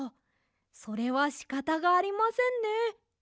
それはしかたがありませんね。